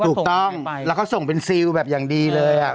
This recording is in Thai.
ถูกต้องแล้วเขาส่งเป็นซิลแบบอย่างดีเลย